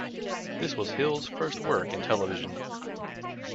This was Hill's first work in television.